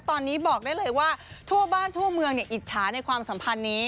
ตอนนี้บอกได้เลยว่าทั่วบ้านทั่วเมืองอิจฉาในความสัมพันธ์นี้